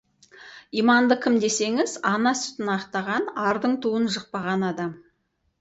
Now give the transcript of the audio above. Иманды кім десеңіз: Ана сүтін ақтаған, ардың туын жықпаған адам.